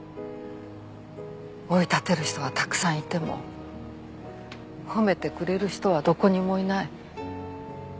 追い立てる人はたくさんいても褒めてくれる人はどこにもいない。